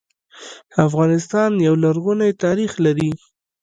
افغانستان يو لرغونی تاريخ لري